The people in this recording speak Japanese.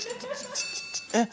えっ？